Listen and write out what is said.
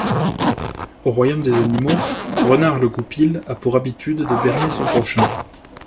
Au royaume des animaux, Renard le goupil a pour habitude de berner son prochain.